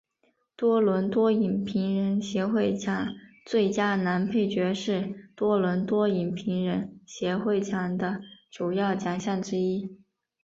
多伦多影评人协会奖最佳男配角是多伦多影评人协会奖的主要奖项之一。